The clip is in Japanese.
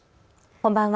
こんばんは。